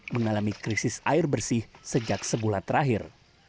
mengalami krisis air bersih sejak sebulan terakhir